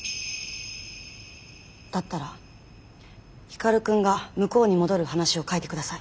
だったら光くんが向こうに戻る話を書いて下さい。